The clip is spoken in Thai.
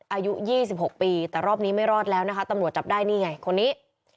อายุ๒๖ปีแต่รอบนี้ไม่รอดแล้วนะคะตำรวจจับได้นี่ไงคนนี้